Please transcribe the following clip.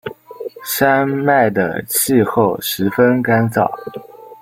山脉的气候十分干燥。